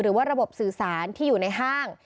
หรือว่าระบบสื่อสารที่อยู่ในห้าง